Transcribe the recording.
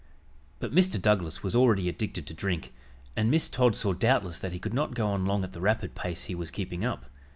But Mr. Douglas was already addicted to drink, and Miss Todd saw doubtless that he could not go on long at the rapid pace he was keeping up.